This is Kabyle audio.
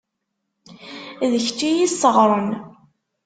D kečč i y-isseɣren.